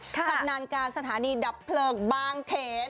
ฉะนั้นการสถานีดับเผลิงบางเขต